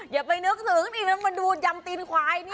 อย่าไปนึกถึงอีกแล้วมาดูยำตีนควายนี่